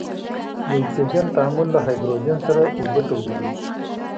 د اکسجن تعامل له هایدروجن سره اوبه تولیدیږي.